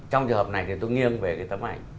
trong trường hợp này thì tôi nghiêng về cái tấm ảnh